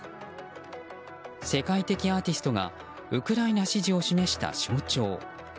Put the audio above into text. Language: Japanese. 世界的アーティストがウクライナ支持を示した象徴。